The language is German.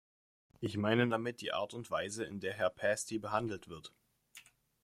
Ich meine damit die Art und Weise, in der Herr Pasty behandelt wird.